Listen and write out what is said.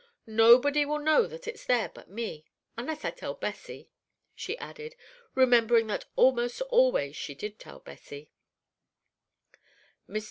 Nobody will know that it's there but me. Unless I tell Bessie ," she added, remembering that almost always she did tell Bessie. Mr.